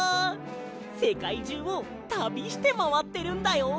せかいじゅうをたびしてまわってるんだよ。